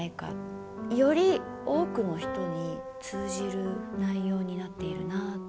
より多くの人に通じる内容になっているなあと。